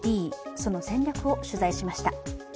その戦略を取材しました。